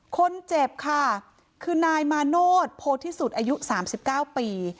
คนเจ็บค่ะคือนายมาโนธโพธิสุดอายุ๓๙ปี